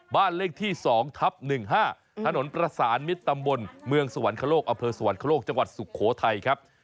บ้านเลขที่๒ทับ๑๕ถนนประสานมิตรตำบลเมืองสวรรคโลกอำเภอสวรรคโลกจังหวัดสุโขทัยครับ